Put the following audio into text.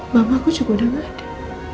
mama aku juga udah gak ada